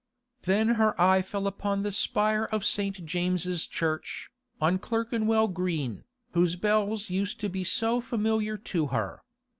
Then her eye fell upon the spire of St. James's Church, on Clerkenwell Green, whose bells used to be so familiar to her.